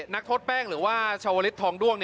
นักโทษแป้งหรือว่าชาวลิศทองด้วง